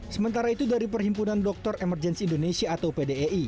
sementara itu dari perhimpunan dokter emergensi indonesia atau pdei